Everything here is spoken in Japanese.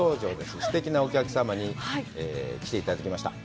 すてきなお客様に来ていただきました。